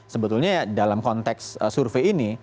sebetulnya dalam konteks survei ini